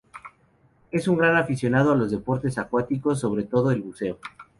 Es un gran aficionado a los deportes acuáticos sobre todo el buceo.